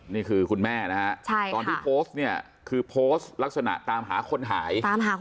คุณแม่นะฮะตอนที่โพสต์เนี่ยคือโพสต์ลักษณะตามหาคนหาย